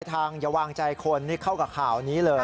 ทางอย่าวางใจคนนี่เข้ากับข่าวนี้เลย